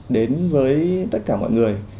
đến với tất cả mọi người